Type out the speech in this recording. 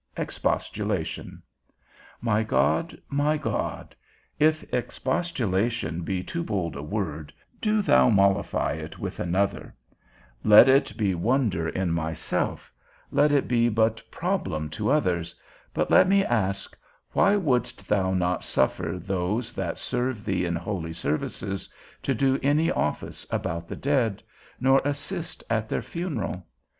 XVIII. EXPOSTULATION. My God, my God, if expostulation be too bold a word, do thou mollify it with another; let it be wonder in myself, let it be but problem to others; but let me ask, why wouldst thou not suffer those that serve thee in holy services, to do any office about the dead, nor assist at their funeral?